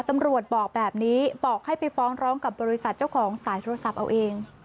บอกแบบนี้บอกให้ไปฟ้องร้องกับบริษัทเจ้าของสายโทรศัพท์เอาเอง